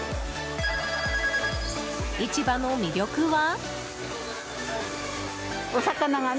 市場の魅力は？